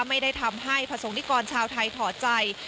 ไม่ได้ทำให้ประสงค์นิกรชาวไทยถอดใจ